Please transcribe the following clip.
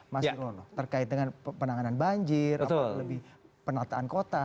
mas rono terkait dengan penanganan banjir apa lebih penataan kota